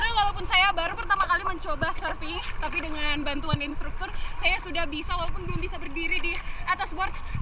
karena walaupun saya baru pertama kali mencoba surfing tapi dengan bantuan instruktur saya sudah bisa walaupun belum bisa berdiri di atas board